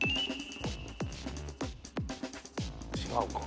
違うか。